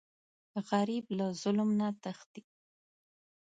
غریب له ظلم نه تښتي